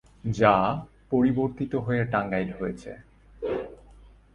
যা পরিবর্তীত হয়ে টাঙ্গাইল হয়েছে।